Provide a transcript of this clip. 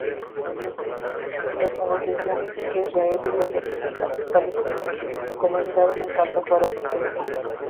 Las negociaciones entre Israel y los representantes palestinos comenzarían en cuanto fuera posible.